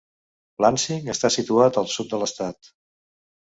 Lansing està situat al sud de l'estat.